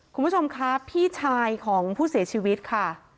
คุณผู้ชมครับพี่ชายของผู้เสียชีวิตค่ะ